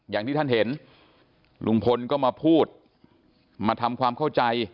อย่างที่ท่านเห็นลุงพลก็มาพูดมาทำความเข้าใจ